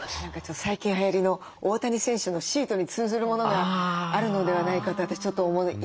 最近はやりの大谷選手のシートに通ずるものがあるのではないかって私ちょっと思いました。